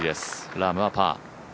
ラームはパー。